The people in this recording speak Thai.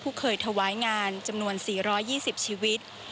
เคยถวายงานจำนวน๔๒๐ชีวิต